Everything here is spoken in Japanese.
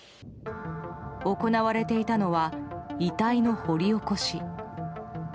行われていたのは遺体の掘り起こし。